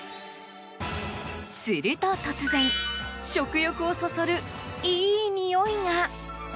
すると突然食欲をそそる、いいにおいが。